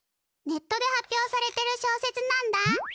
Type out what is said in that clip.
ネットで発表されてる小説なんだ。